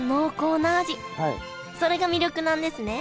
それが魅力なんですね